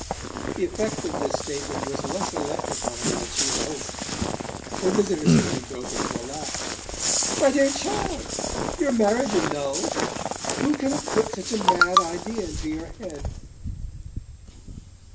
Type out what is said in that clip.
The effect of this statement was less electrifying than she had hoped. Her visitor simply broke into a laugh. "My dear child! Your marriage annulled? Who can have put such a mad idea into your head?"